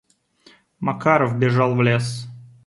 Макаров бежал в лес.